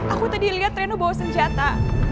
aku tadi lihat reno bawa senjata